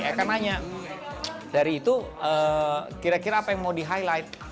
ya karena dari itu kira kira apa yang mau di highlight